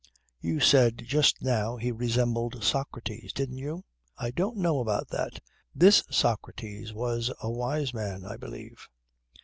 You said just now he resembled Socrates didn't you? I don't know about that. This Socrates was a wise man, I believe?"